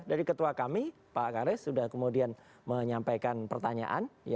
dari ketua kami pak karis sudah kemudian menyampaikan pertanyaan